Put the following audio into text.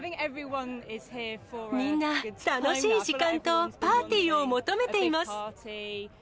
みんな楽しい時間とパーティーを求めています。